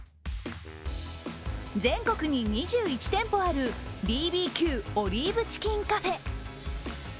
全国に２１店舗あるｂｂ．ｑオリーブチキンカフェ。